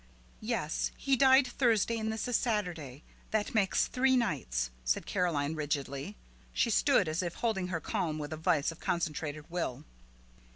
"Yes; he died Thursday and this is Saturday; that makes three nights," said Caroline rigidly. She stood as if holding her calm with a vise of concentrated will.